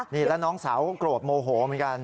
นี่แล้วน้องสาวก็โกรธโมโหเหมือนกัน